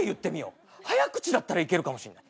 早口だったらいけるかもしんない。